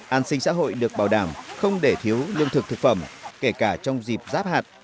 an sinh xã hội được bảo đảm không để thiếu lương thực thực phẩm kể cả trong dịp giáp hạt